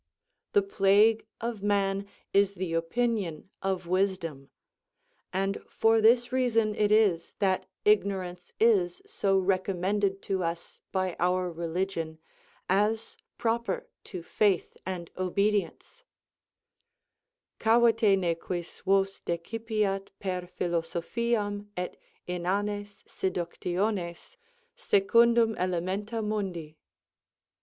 The plague of man is the opinion of wisdom; and for this reason it is that ignorance is so recommended to us, by our religion, as proper to faith and obedience; _Cavete ne quis vos decipiat per philosophiam et inanes seductiones, secundum elementa mundi.